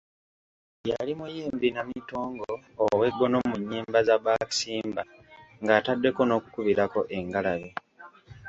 Yali muyimbi namitongo ow'eggono mu nnyimba za Baakisimba ng'ataddeko n'okukubirako engalabi.